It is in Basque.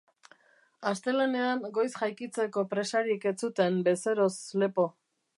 Astelehenean goiz jaikitzeko presarik ez zuten bezeroz lepo.